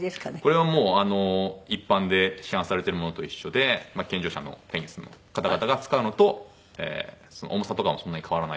これはもう一般で市販されてるものと一緒で健常者のテニスの方々が使うのと重さとかもそんなに変わらないと思います。